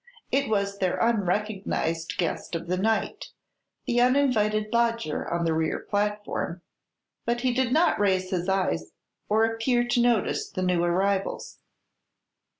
It was their unrecognized guest of the night the uninvited lodger on the rear platform but he did not raise his eyes or appear to notice the new arrivals.